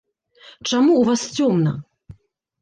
Чаму ў вас цёмна?